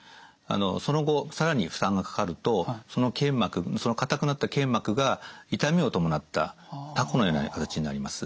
その後更に負担がかかるとその硬くなった腱膜が痛みを伴ったたこのような形になります。